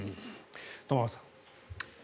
玉川さん。